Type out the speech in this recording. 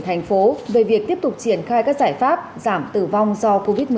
thành phố về việc tiếp tục triển khai các giải pháp giảm tử vong do covid một mươi chín